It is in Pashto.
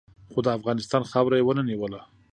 خو د افغانستان خاوره یې و نه نیوله.